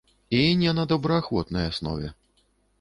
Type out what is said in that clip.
І не на добраахвотнай аснове.